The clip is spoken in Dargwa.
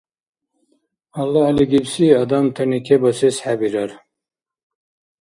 Аллагьли гибси адамтани кебасес хӀебирар.